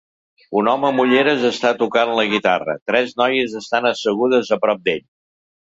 Un home amb ulleres està tocant la guitarra, i tres noies estan assegudes a prop d'ell.